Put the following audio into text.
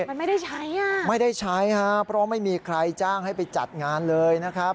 มันไม่ได้ใช้อ่ะไม่ได้ใช้ฮะเพราะไม่มีใครจ้างให้ไปจัดงานเลยนะครับ